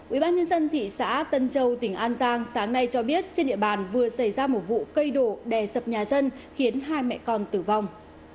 ubnd thị xã tân châu tỉnh an giang sáng nay cho biết trên địa bàn vừa xảy ra một vụ cây đổ đè sập nhà dân khiến hai mẹ con tử vong